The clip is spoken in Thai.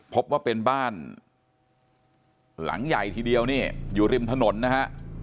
พบว่าเป็นบ้านหลังใหญ่ทีเดียวนี่อยู่ริมถนนนะฮะ